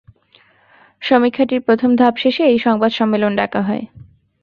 সমীক্ষাটির প্রথম ধাপ শেষে এই সংবাদ সম্মেলন ডাকা হয়।